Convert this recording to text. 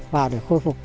vào để khôi phục